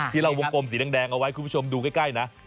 ที่เราวงกลมสีแดงเอาไว้คุณผู้ชมดูใกล้นะ